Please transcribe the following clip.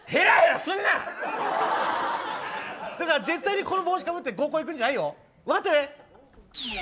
だから、絶対にこの帽子をかぶって合コンに行くんじゃないよ。